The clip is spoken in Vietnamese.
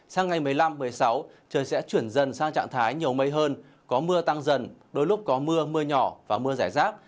sang ngày một mươi năm một mươi sáu trời sẽ chuyển dần sang trạng thái nhiều mây hơn có mưa tăng dần đôi lúc có mưa mưa nhỏ và mưa rải rác